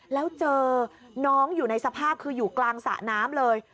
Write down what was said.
แล้วเจอน้องอยู่ในสภาพคืออยู่กลางสระน้ำเลย